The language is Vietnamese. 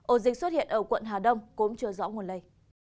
ổ dịch xuất hiện ở quận hà đông cũng chưa rõ nguồn lây